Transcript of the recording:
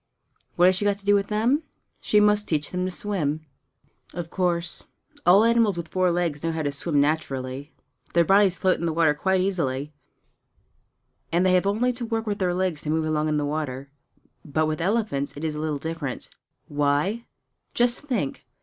What has she got to do to them? She must teach them to swim! Of course all animals with four legs know how to swim naturally; their bodies float in the water quite easily, and they have only to work their legs to move along in the water. But with elephants it is a little different. Why? Just think!